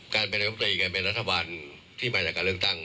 การเป็นประพธิการเป็นรัฐบาลที่มาจากการเริ่มตั้ง